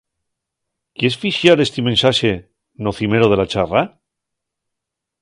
¿Quies fixar esti mensaxe no cimero de la charra?